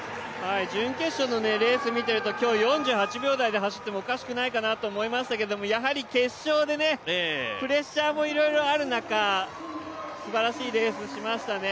準決勝のレース見てると今日、４８秒台で走ってもおかしくないかなと思いましたけどやはり決勝でプレッシャーもいろいろある中、すばらしいレースしましたね。